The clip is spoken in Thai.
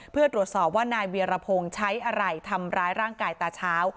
เพื่อตรวจสอบว่านายเวียรพงศ์ใช้อะไรทำร้ายร่างกายตาเช้า